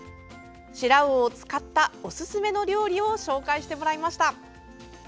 シラウオを使ったおすすめの料理を紹介してもらいました。